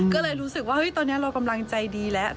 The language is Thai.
ก็เลยรู้สึกว่าตอนนี้เรากำลังใจดีแล้ว